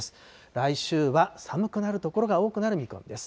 来週は寒くなる所が多くなる見込みです。